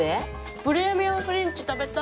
プレミアムフレンチ食べたい！